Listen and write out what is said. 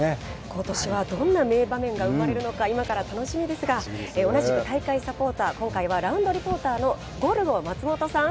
ことしはどんな名場面が生まれるのか、今から楽しみですが同じく大会サポーター、今回はラウンドリポーターのゴルゴ松本さん。